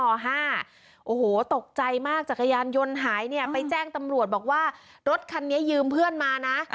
โอ้โหตกใจมากจักรยานยนต์หายเนี่ยไปแจ้งตำรวจบอกว่ารถคันนี้ยืมเพื่อนมานะ